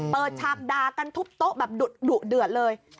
ฉากดากันทุบโต๊ะแบบดุเดือดเลย